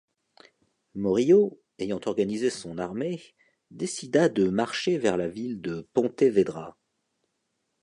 Morillo, ayant organisé son armée, décida de marcher vers la ville de Pontevedra.